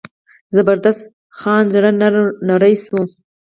زبردست خان زړه نری شو.